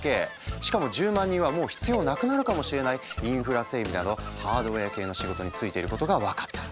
しかも１０万人はもう必要なくなるかもしれないインフラ整備などハードウェア系の仕事に就いていることが分かった。